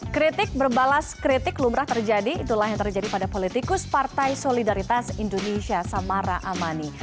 kritik berbalas kritik lumrah terjadi itulah yang terjadi pada politikus partai solidaritas indonesia samara amani